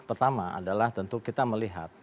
pertama adalah tentu kita melihat